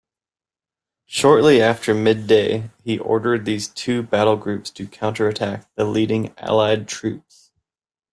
Shortly after midday, he ordered these two battlegroups to counter-attack the leading Allied troops.